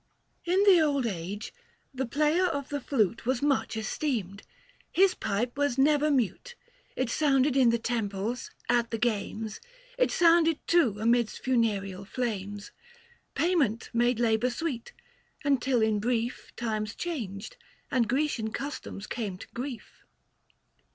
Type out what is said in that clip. —" In the old age, the player of the flute 795 Was much esteemed ; his pipe was never mute ; It sounded in the temples, at the games, It sounded too amidst funereal flames. Payment made labour sweet, until in brief Times changed, and Grecian customs came to grief.